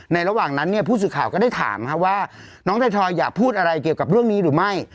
ระหว่างนั้นเนี่ยผู้สื่อข่าวก็ได้ถามว่าน้องถอยอยากพูดอะไรเกี่ยวกับเรื่องนี้หรือไม่